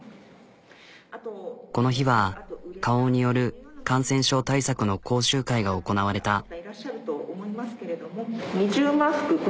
この日は花王による感染症対策の講習会が行なわれた。